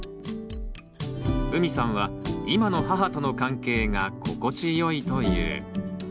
うみさんは今の母との関係が心地良いという。